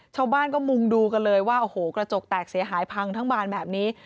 ชาวบ้านก็มุงดูกันเลยว่าโอ้โหกระจกแตกเสียหายพังทั้งบานแบบนี้